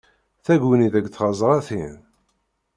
Taguni deg tɣeẓṛatin.